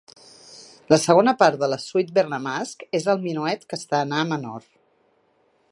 La segona part de la "Suite bergamasque" és el "Menuet", en A menor.